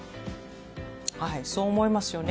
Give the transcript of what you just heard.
そう思いますよね。